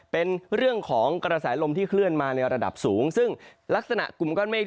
เป็นเรื่องของกระแสลมที่เคลื่อนมาในระดับสูงซึ่งลักษณะกลุ่มก้อนเมฆ